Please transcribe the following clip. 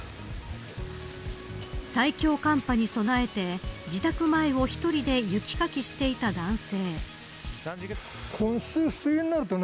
最強寒波に備えて自宅前を１人で雪かきしていた男性。